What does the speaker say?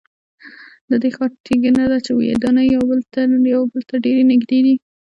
د دې ښار ښېګڼه ده چې ودانۍ یو بل ته ډېرې نږدې دي.